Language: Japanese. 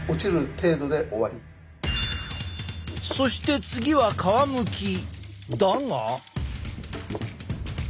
そして次は皮むきだが。